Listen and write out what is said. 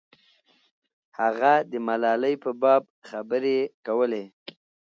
هغه د ملالۍ په باب خبرې کولې.